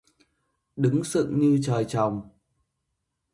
Đứng sựng như trời trồng